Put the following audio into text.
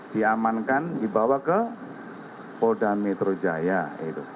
diamankan dibawa ke polda metro jaya